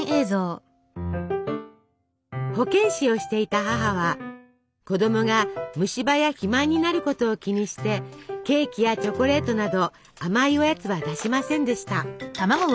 保健師をしていた母は子どもが虫歯や肥満になることを気にしてケーキやチョコレートなど甘いおやつは出しませんでした。